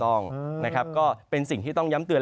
ต้องนะครับก็เป็นสิ่งที่ต้องย้ำเตือน